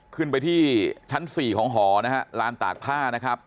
ขึ้นไปที่ชั้น๔ของหอนะฮะลานตากผ้านะครับ